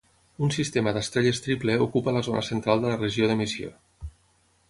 Un sistema d'estrelles triple ocupa la zona central de la regió d'emissió.